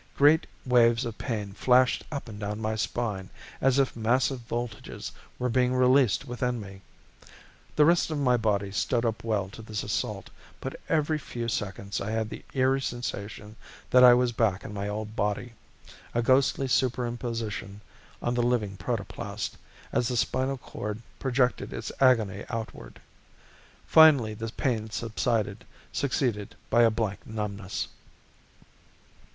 Great waves of pain flashed up and down my spine as if massive voltages were being released within me. The rest of my body stood up well to this assault but every few seconds I had the eerie sensation that I was back in my old body, a ghostly superimposition on the living protoplast, as the spinal chord projected its agony outward. Finally the pain subsided, succeeded by a blank numbness.